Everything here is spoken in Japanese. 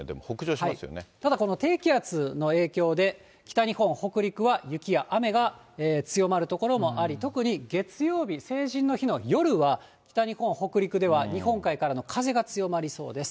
ただ、この低気圧の影響で、北日本、北陸は雪や雨が強まる所もあり、特に月曜日、成人の日の夜は、北日本、北陸では日本海からの風が強まりそうです。